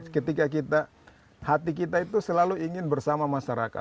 ketika kita hati kita itu selalu ingin bersama masyarakat